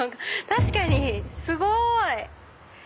確かにすごい！